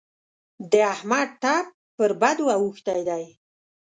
د احمد ټپ پر بدو اوښتی دی.